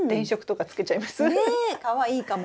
かわいいかも。